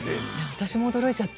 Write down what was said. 私も驚いちゃって。